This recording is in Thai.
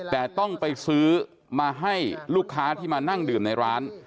แต่ต้องไปซื้อมาให้ลูกค้าที่มานั่งดื่มในร้าน